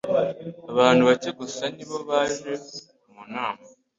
Abantu bake gusa ni bo baje mu nama.